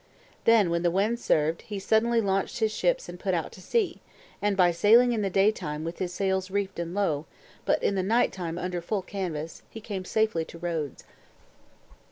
Then, when the wind served, he suddenly launched his ships and put out to sea, and by sailing in the day time with his sails reefed and low, but in the night time under full canvas, he came safely to Rhodes.